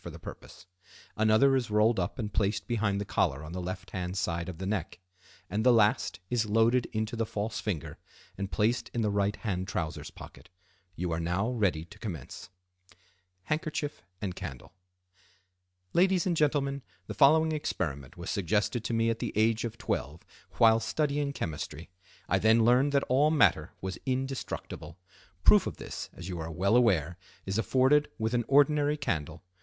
for the purpose; another is rolled up and placed behind the collar on the left hand side of the neck; and the last is loaded into the false finger and placed in the right hand trousers pocket. You are now ready to commence. Handkerchief and Candle.—"Ladies and Gentlemen, the following experiment was suggested to me at the age of twelve while studying chemistry. I then learned that all matter was indestructible. Proof of this, as you are well aware, is afforded with an ordinary candle.